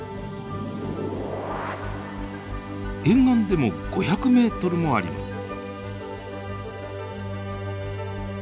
沿岸でも５００ｍもあります。